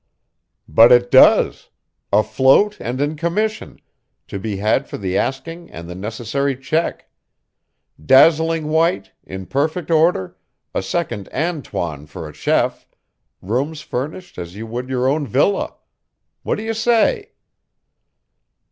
"But it does. Afloat and in commission, to be had for the asking and the necessary check. Dazzling white, in perfect order, a second Antoine for a chef, rooms furnished as you would your own villa. What do you say?"